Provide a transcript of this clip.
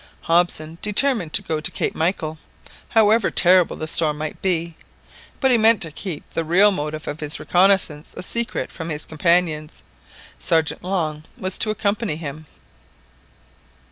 Hobson determined to go to Cape Michael, however terrible the storm might be, but he meant to keep the real motive of his reconnaissance a secret from his companions. Sergeant Long was to accompany him.